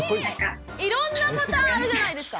いろんなボタンあるじゃないですか。